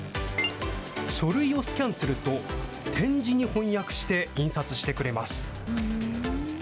書類をスキャンすると、点字に翻訳して印刷してくれます。